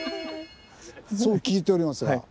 そう聞いておりますが。